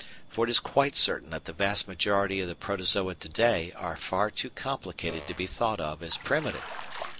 For it is quite certain that the vast majority of the Protozoa to day are far too complicated to be thought of as primitive.